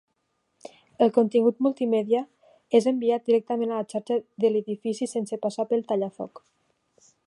El contingut multimèdia és enviat directament a la xarxa de l'edifici sense passar pel tallafoc.